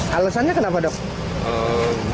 kota bogor mencapai dua puluh dua orang